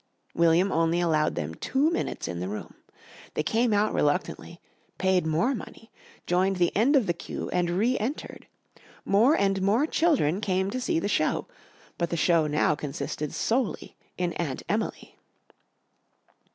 William only allowed them two minutes in the room. They came out reluctantly, paid more money, joined the end of the queue and re entered. More and more children came to see the show, but the show now consisted solely in Aunt Emily.